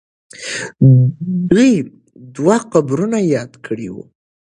دوی دوه قبرونه یاد کړي وو.